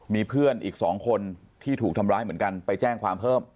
มีเพื่อนอีก๒คนที่ถูกทำร้ายเหมือนกันไปแจ้งความเพิ่ม